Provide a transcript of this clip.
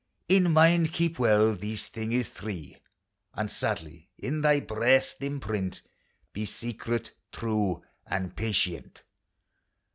In mind keep well these thingis three, And sadly in thy breast imprint, — Be secret, true and patient!